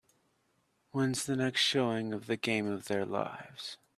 Whens the next showing of The Game of Their Lives